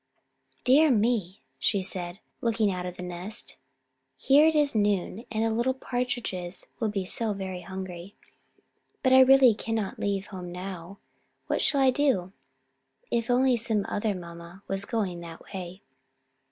"Dear me," she said, looking out of the nest, "here it is noon and the little Partridges will be so very hungry. But I really cannot leave home now. What shall I do? If only some other mamma were going that way."